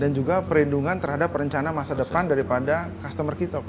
dan juga perlindungan terhadap rencana masa depan daripada customer kita